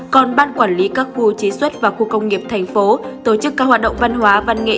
còn ban quản lý các khu chế xuất và khu công nghiệp thành phố tổ chức các hoạt động văn hóa văn nghệ